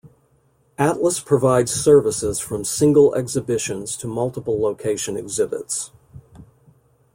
Atlas provides services from single exhibitions to multiple location exhibits.